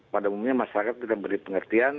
pada umumnya masyarakat kita beri pengertian